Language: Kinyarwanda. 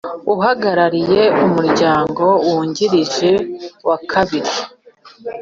Uhagarariye Umuryango wungirije wa kabiri